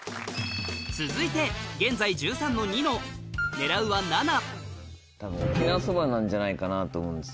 続いて現在１３のニノ狙うは７沖縄そばなんじゃないかなと思うんですよね。